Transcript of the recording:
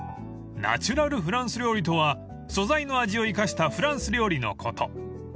［ナチュラルフランス料理とは素材の味を生かしたフランス料理のこと］